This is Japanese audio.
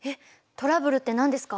トラブルって何ですか？